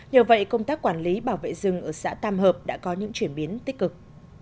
nhờ vậy công tác quản lý bảo vệ rừng ở xã tam hợp đã có những chuyển biến tích cực